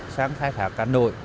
sáng khai thạc cá nội